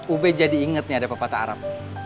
ube jadi inget nih ada pepatah arab